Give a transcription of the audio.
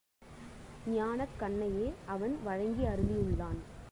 ஞானக் கண்னையே அவன் வழங்கியருளியுள்ளான்.